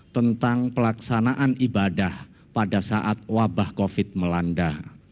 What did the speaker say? tentang pelaksanaan ibadah pada saat wabah covid melanda